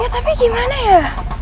ya tapi gimana ya